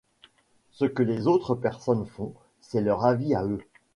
Ce que les autres personnes font, c'est leur avis à eux.